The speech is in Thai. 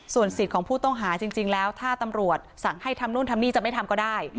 ส่วนสิทธิ์ของผู้ต้องหาจริงแล้วถ้าตำรวจสั่งให้ทำนู่นทำนี่จะไม่ทำก็ได้